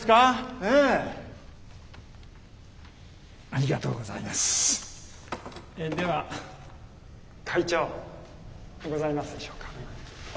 えでは会長ございますでしょうか。